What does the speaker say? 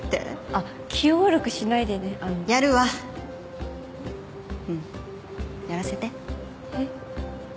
あっ気を悪くしないでねあのやるわうんやらせてえっ？